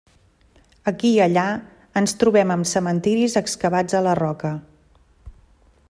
Aquí i allà ens trobem amb cementiris excavats a la roca.